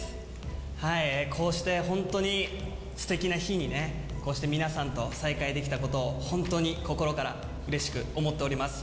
こうして本当にすてきな日にね、こうして皆さんと再会できたことを、本当に心からうれしく思っております。